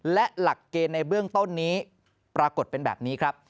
และหลักเกณฑ์ในเบื้องต้นนี้ปรากฏเป็นแบบนี้ครับ